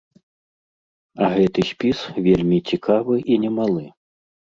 А гэты спіс вельмі цікавы і немалы.